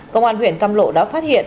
công an huyện cam lộ đã phát hiện